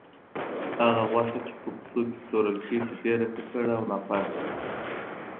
هغه غوښه چې په کوڅو کې پلورل کیږي، ډېره ککړه او ناپاکه وي.